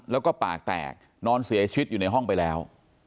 แล้วก็ปากแตกนอนเสียชีวิตอยู่ในห้องไปแล้ว